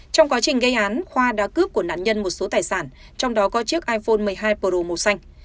trong quá trình gây án khoa đã cướp của nạn nhân một số tài sản trong đó có chiếc iphone một mươi hai podu màu xanh